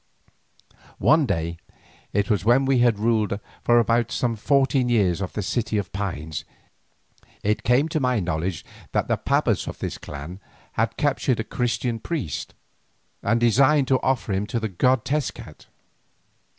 One day, it was when we had ruled for some fourteen years in the City of Pines, it came to my knowledge that the pabas of this clan had captured a Christian priest, and designed to offer him to the god Tezcat.